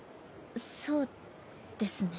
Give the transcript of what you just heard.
そうですね。